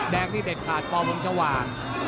แดงนี่เด็ดขาดปวงสว่าง